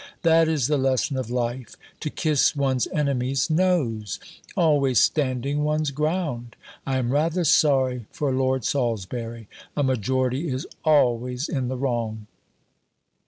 That is the lesson of life, to kiss one's enemy's nose, always standing one's ground. I am rather sorry for Lord Salisbury. A majority is always in the wrong.